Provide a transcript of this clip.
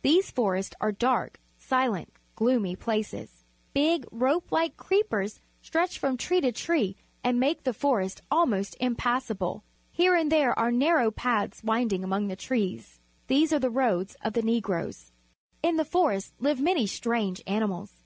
These forests are dark, silent, gloomy places. Big, rope like creepers stretch from tree to tree and make the forest almost impassable. Here and there are narrow paths winding among the trees. These are the roads of the Negroes. In the forests live many strange animals.